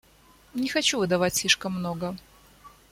Не хочу выдавать слишком много.